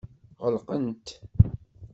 Ɣelqent.